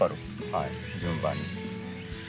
はい順番に。